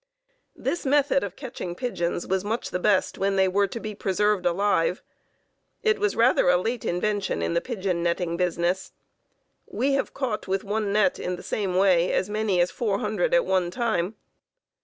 This method of catching pigeons was much the best when they were to be preserved alive. It was rather a late invention in the pigeon netting business. We have caught with one net in the same way as many as four hundred at one time.